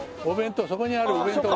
そこにあるお弁当を？